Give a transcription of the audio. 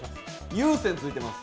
有線、ついてます。